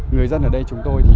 người dân ở đây chúng tôi